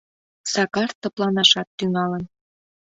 Сакар тыпланашат тӱҥалын.